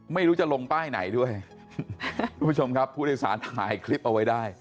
ไม่รู้จะลงป้ายไหนด้วยคุณผู้ชมครับผู้โดยสารถ่ายคลิปเอาไว้ได้